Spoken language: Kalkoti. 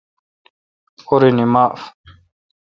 اورنی معاف۔